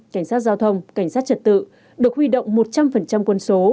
cảnh sát giao thông cảnh sát trật tự được huy động một trăm linh quân số